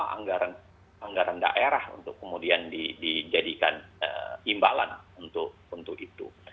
anggaran daerah untuk kemudian dijadikan imbalan untuk itu